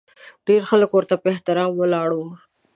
ډېر خلک ورته په احترام ولاړ وي.